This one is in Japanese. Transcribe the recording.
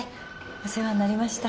お世話になりました。